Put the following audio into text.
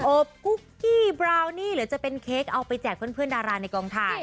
กุ๊กกี้บราวนี่หรือจะเป็นเค้กเอาไปแจกเพื่อนดาราในกองถ่าย